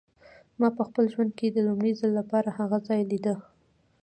ما په خپل ژوند کې د لومړي ځل لپاره هغه ځای لیده.